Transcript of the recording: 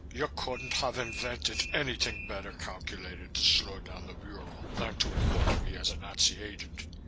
You couldn't have invented anything better calculated to slow down the Bureau than to report me as a Nazi agent.